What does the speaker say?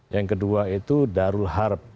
yang kedua itu darul harab